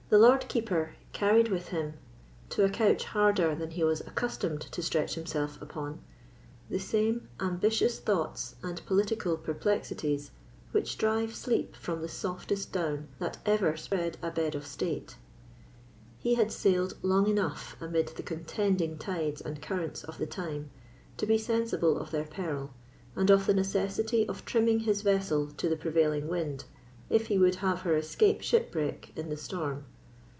The Lord Keeper carried with him, to a couch harder than he was accustomed to stretch himself upon, the same ambitious thoughts and political perplexities which drive sleep from the softest down that ever spread a bed of state. He had sailed long enough amid the contending tides and currents of the time to be sensible of their peril, and of the necessity of trimming his vessel to the prevailing wind, if he would have her escape shipwreck in the storm.